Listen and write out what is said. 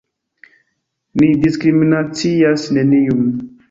Ni diskriminacias neniun!